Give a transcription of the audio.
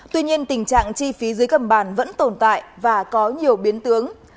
tuy nhiên tình trạng chi phí dưới gầm bàn vẫn tồn tại và có nhiều biến tướng